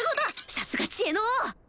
さすが智慧の王！